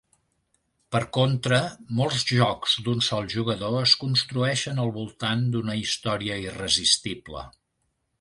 Per contra, molts jocs d'un sol jugador es construeixen al voltant d'una història irresistible.